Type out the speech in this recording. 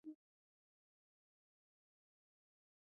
افغانستان به سیال کیږي